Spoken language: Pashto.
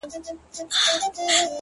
له هرې ميکدې په خدای پامان وځي’